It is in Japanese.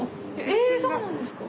えそうなんですか？